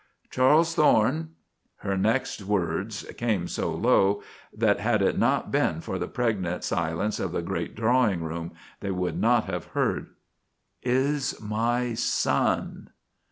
Charles Thorne " Her next words came so low that had it not been for the pregnant silence of the great drawing room they could not have been heard. "_Is my son.